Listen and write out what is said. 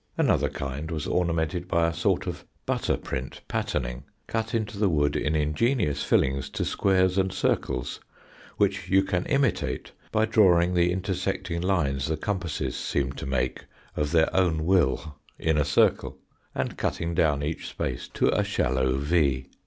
Another kind was ornamented by a sort of butter print patterning, cut into the wood in ingenious fillings to squares and circles, which you can imitate by drawing the intersecting lines the compasses seem to make of their own will in a circle, and cutting down each space to a shallow V.